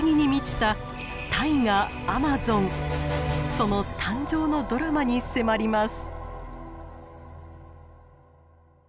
その誕生のドラマに迫ります。